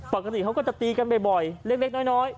ปกติเขาก็จะตีกันบ่อยเล็กน้อย